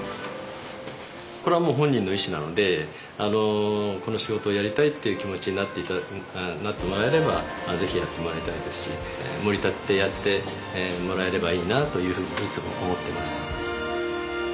これはもう本人の意思なのでこの仕事をやりたいっていう気持ちになってもらえれば是非やってもらいたいですしもり立ててやってもらえればいいなというふうにいつも思ってます。